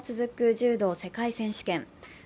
柔道世界選手権。